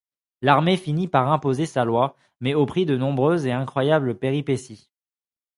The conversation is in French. L’Armée finit par imposer sa loi, mais au prix de nombreuses et incroyables péripéties.